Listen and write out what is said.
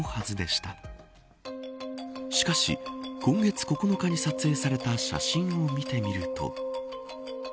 しかし、今月９日に撮影された写真を見てみると。